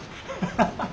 ハハハ。